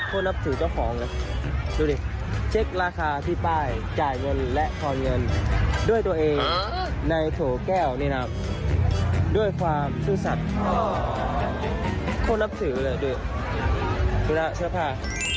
นับถือเจ้าของเลยดูดิเช็คราคาที่ป้ายจ่ายเงินและทอนเงินด้วยตัวเองในโถแก้วนี่นะครับด้วยความซื่อสัตว์คนนับถือเลยดูธุระเสื้อผ้า